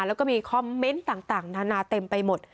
แล้วก็มีคอมเมนต์ต่างนานาเต็มไปหมด